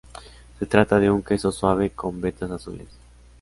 Se trata de un queso suave con vetas azules.